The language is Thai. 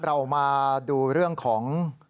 เรามาดูเรื่องของ